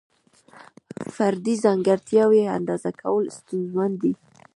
فردي ځانګړتیاوې اندازه کول ستونزمن دي.